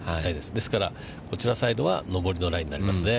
ですから、こちらサイドは上りのラインになりますね。